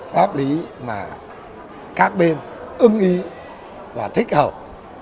pháp lý mà các bên ưng ý và thích hợp